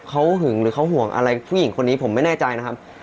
เขาหึงหรือเขาห่วงอะไรผู้หญิงคนนี้ผมไม่แน่ใจนะครับ